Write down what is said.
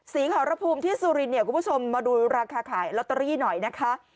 ขอรภูมิที่สุรินเนี่ยคุณผู้ชมมาดูราคาขายลอตเตอรี่หน่อยนะคะ